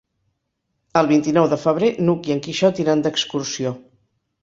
El vint-i-nou de febrer n'Hug i en Quixot iran d'excursió.